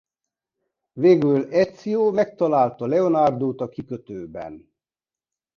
Végül Ezio megtalálta Leonardo-t a kikötőben.